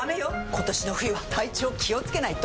今年の冬は体調気をつけないと！